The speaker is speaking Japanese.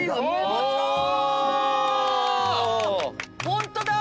ホントだ！